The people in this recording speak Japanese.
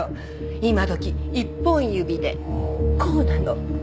今どき一本指でこうなの。